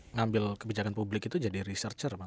ngambil kebijakan publik itu jadi researcher